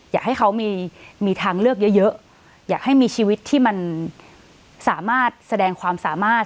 อยากให้เขามีทางเลือกเยอะอยากให้มีชีวิตที่มันสามารถแสดงความสามารถ